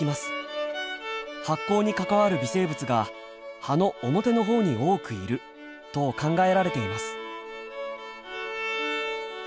発酵に関わる微生物が葉の表のほうに多くいると考えられています。